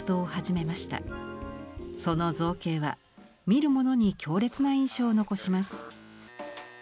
その造形は見る者に強烈な印象を残します。